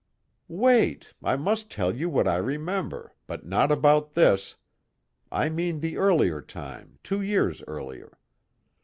"Wait! I must tell you what I remember, but not about this; I mean the earlier time, two years earlier.